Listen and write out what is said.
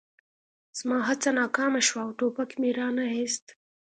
زما هڅه ناکامه شوه او ټوپک مې را نه ایست